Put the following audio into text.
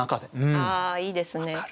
ああいいですね。